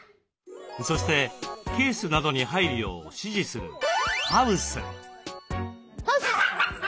そしてケースなどに入るよう指示する「ハウス」。